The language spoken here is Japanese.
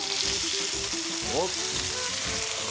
おっ！